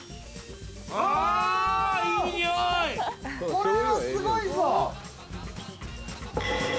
これはすごいぞ！